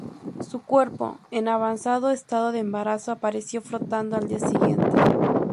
Su cuerpo, en avanzado estado de embarazo, apareció flotando al día siguiente.